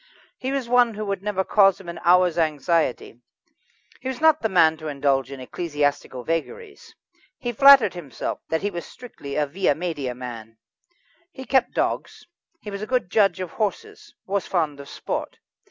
He was one who would never cause him an hour's anxiety; he was not the man to indulge in ecclesiastical vagaries. He flattered himself that he was strictly a via media man. He kept dogs, he was a good judge of horses, was fond of sport.